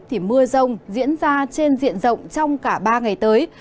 thì mưa rông diễn ra trên diện rộng trong cả ba ngày tới